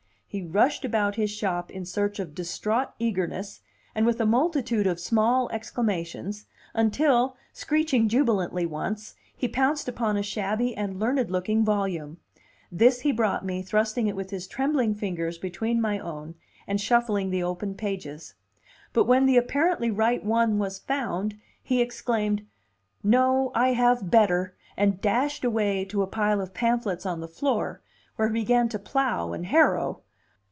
He rushed about his shop in a search of distraught eagerness, and with a multitude of small exclamations, until, screeching jubilantly once, he pounced upon a shabby and learned looking volume. This he brought me, thrusting it with his trembling fingers between my own, and shuffling the open pages. But when the apparently right one was found, he exclaimed, "No, I have better! and dashed away to a pile of pamphlets on the floor, where he began to plough and harrow.